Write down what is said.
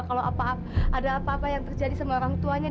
kalau ada apa apa yang terjadi sama orang tuanya